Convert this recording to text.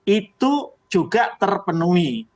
itu juga terpenuhi